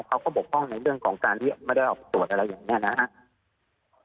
เขาก็บกพร่องในเรื่องของการที่ไม่ได้ออกตรวจอะไรอย่างนี้นะครับ